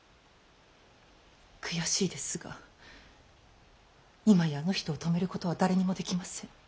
悔しいですが今やあの人を止めることは誰にもできません。